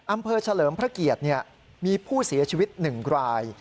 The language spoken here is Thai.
อำเภอเฉลิมพระเกียรตินี่มีผู้เสียชีวิต๑ราย